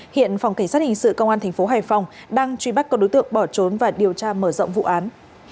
hiện phòng cảnh sát hình sự công an tp hải phòng đang truy bắt có đối tượng bỏ trốn và điều tra mở rộng vụ án